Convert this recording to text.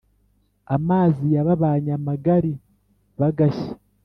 amazi yababanye magari bagashya